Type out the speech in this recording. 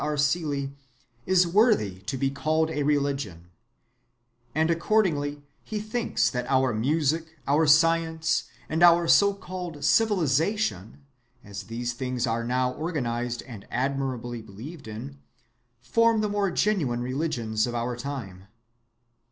R. Seeley,(31) "is worthy to be called a religion"; and accordingly he thinks that our Music, our Science, and our so‐called "Civilization," as these things are now organized and admiringly believed in, form the more genuine religions of our time.